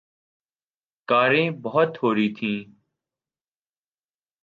کاریں بہت تھوڑی تھیں۔